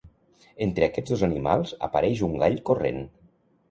Entre aquests dos animals apareix un gall corrent.